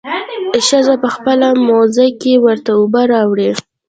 ښځه په خپله موزه کښې ورته اوبه راوړي.